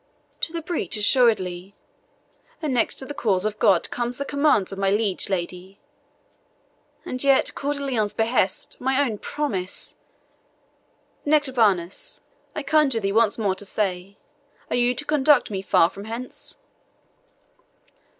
To the breach, assuredly; and next to the cause of God come the commands of my liege lady. And yet, Coeur de Lion's behest my own promise! Nectabanus, I conjure thee once more to say, are you to conduct me far from hence?"